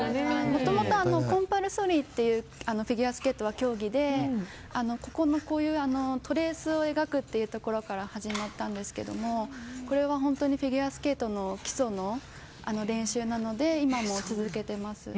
もともとコンパルソリーっていうフィギュアスケートの競技でトレースを描くというところから始まったんですけどこれは本当にフィギュアスケートの基礎の練習なので今も続けてます。